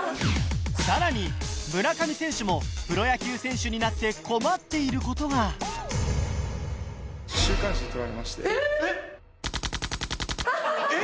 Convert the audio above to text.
更に村上選手もプロ野球選手になって困っている事がええっ！×××××。